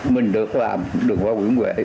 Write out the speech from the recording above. mình được làm đường hoa nguyễn huệ